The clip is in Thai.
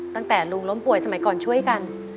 ตั้งแต่ลุงล้มป่วยสมัยก่อนช่วยกัน